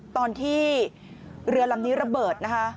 ตอนที่เรือลำนี้ระเบิดนะคะ